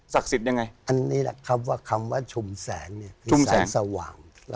ศักดิ์สิทธิ์ยังไงอันนี้นะครับว่าคำว่าชุมแสงนี้แสงสว่าง